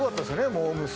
モー娘。